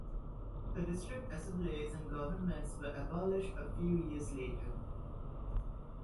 The district assemblies and governments were abolished a few years later.